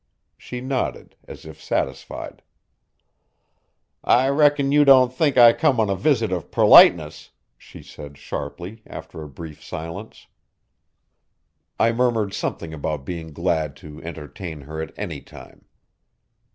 She nodded as if satisfied. "I reckon you don't think I come on a visit of perliteness?" she said sharply, after a brief silence. I murmured something about being glad to entertain her at any time.